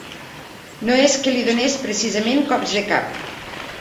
No es que li donés precisament cops de cap.